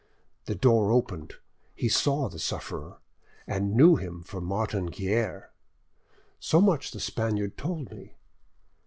The door opened, he saw the sufferer, and knew him for Martin Guerre. So much the Spaniard told me.